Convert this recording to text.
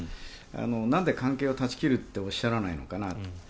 なんで関係を断ち切るっておっしゃらないのかなと。